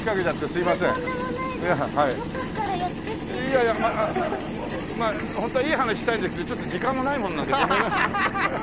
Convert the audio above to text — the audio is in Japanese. いやいやまあホントはいい話したいんだけどちょっと時間もないものなんでごめんなさい。